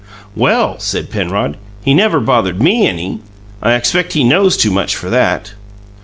"Well," said Penrod, "he never bothered ME any. I expect he knows too much for that!"